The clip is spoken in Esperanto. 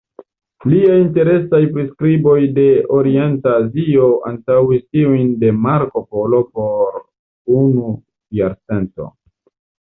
Liaj interesaj priskriboj de okcidenta Azio antaŭis tiujn de Marco Polo por unu jarcento.